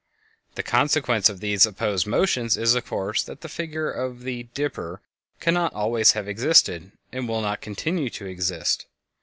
The consequence of these opposed motions is, of course, that the figure of the "Dipper" cannot always have existed and will not continue to exist.